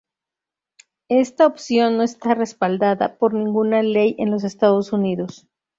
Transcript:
Esta opción no está respaldada por ninguna ley en los Estados Unidos.